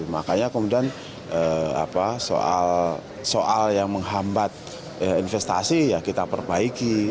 makanya kemudian soal yang menghambat investasi ya kita perbaiki